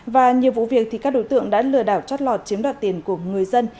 và nhiều vụ việc thì các đối tượng đã lừa đảo chót lọt chiếm đoạt tiền của người dân